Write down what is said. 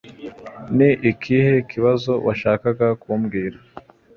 Ni ikihe kibazo washakaga kumbwira